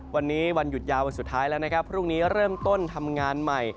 วันนี้วันหยุดยาววันสุดท้ายแล้วนะครับพรุ่งนี้เริ่มต้นทำงานใหม่